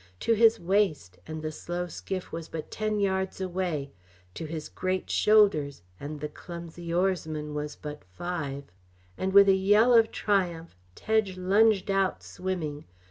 To his waist, and the slow skiff was but ten yards away; to his great shoulders, and the clumsy oarsman was but five. And with a yell of triumph Tedge lunged out swimming.